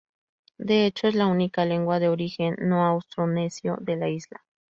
De hecho es la única lengua de origen no-austronesio de la isla.